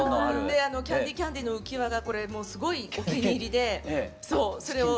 キャンディ・キャンディの浮き輪がこれもうすごいお気に入りでそうそれを。